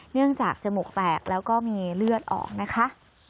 เนื่องจากจมูกแตกแล้วก็มีเลือดออกนะคะ